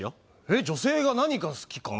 えっ女性が何が好きか？